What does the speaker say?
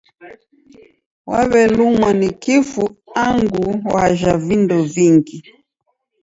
Waw'elumwa ni kifu angu wajha vindo vingi.